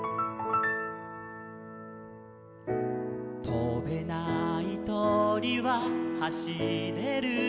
「とべないとりははしれるとり」